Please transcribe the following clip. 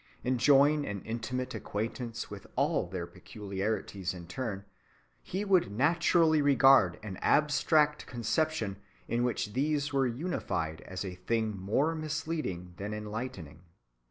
Enjoying an intimate acquaintance with all their particularities in turn, he would naturally regard an abstract conception in which these were unified as a thing more misleading than enlightening.